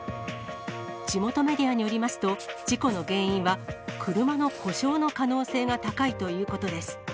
地元メディアによりますと、事故の原因は車の故障の可能性が高いということです。